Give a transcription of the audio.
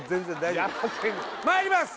まいります